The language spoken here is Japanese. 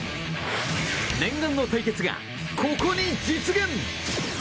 念願の対決が、ここに実現！